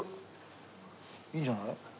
いいんじゃない？